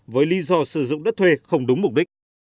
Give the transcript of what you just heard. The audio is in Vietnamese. với lý do sử dụng đất thuê không đúng mục đích